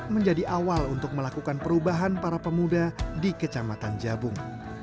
menjadi awal untuk melakukan perubahan para pemuda di kecamatan jabung